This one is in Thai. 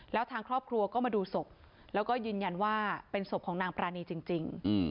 แล้วทางครอบครัวก็มาดูศพแล้วก็ยืนยันว่าเป็นศพของนางปรานีจริง